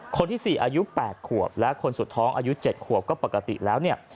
คนที่๔อายุ๘ขวบและคนสุดท้องอายุ๗ขวบก็ปกติแล้วเนี่ย